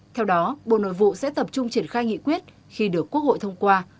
theo đó bộ nội vụ sẽ tập trung triển khai nghị quyết khi được quốc hội thông qua